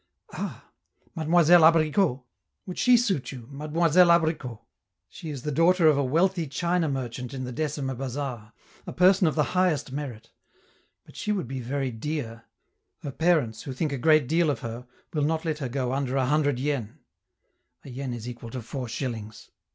"Ah! Mademoiselle Abricot! Would she suit you, Mademoiselle Abricot? She is the daughter of a wealthy China merchant in the Decima Bazaar, a person of the highest merit; but she would be very dear: her parents, who think a great deal of her, will not let her go under a hundred yen [A yen is equal to four shillings.